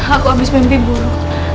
aku habis mimpi buruk